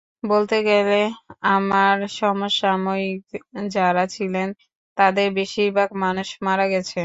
বলতে গেলে আমার সমসাময়িক যাঁরা ছিলেন, তাঁদের বেশির ভাগ মানুষ মারা গেছেন।